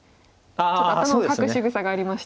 ちょっと頭をかくしぐさがありまして。